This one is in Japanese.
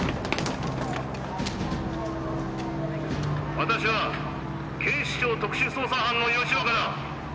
私は警視庁特殊捜査班の吉岡だ！